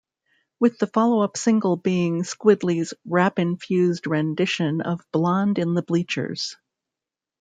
With the follow-up single being Squiddly's rap-infused rendition of 'Blonde In The Bleachers'.